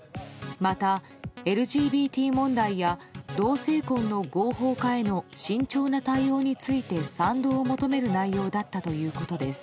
また、ＬＧＢＴ問題や同性婚の合法化への慎重な対応について賛同を求める内容だったということです。